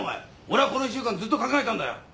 俺はこの１週間ずっと考えたんだよ。